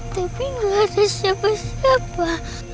tapi nggak ada siapa siapa